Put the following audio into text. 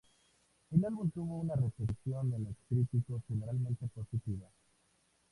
El álbum tuvo una recepción en los críticos generalmente positiva.